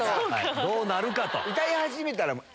どうなるかと。